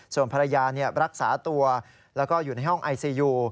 ส่วนภรรยารักษาตัวแล้วก็อยู่ในห้องไอซียู